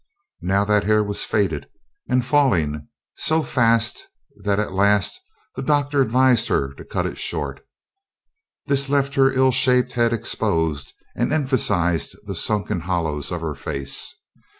Now that hair was faded, and falling so fast that at last the doctor advised her to cut it short. This left her ill shaped head exposed and emphasized the sunken hollows of her face.